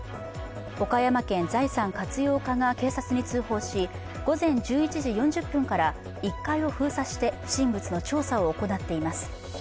岡山県財産活用課が警察に通報し、午前１１時４０分から１階を封鎖して不審物の調査を行っています。